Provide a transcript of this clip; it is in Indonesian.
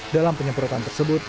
dalam penyemprotan tersebut